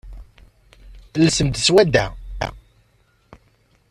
Alsem-d seg swadda.